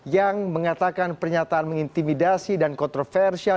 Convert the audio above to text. yang mengatakan pernyataan mengintimidasi dan kontroversial